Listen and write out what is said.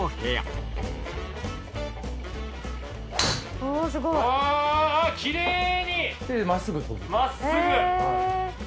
えすごい。